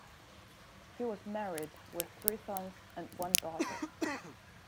He was married with three sons and one daughter.